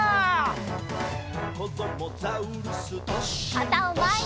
かたをまえに！